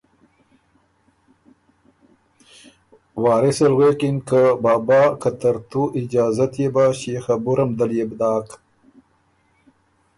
وارٍث ال غوېکِن ”بابا که ترتُو اجازۀ يې بۀ، ݭيې خبُره م دل يې بو داک“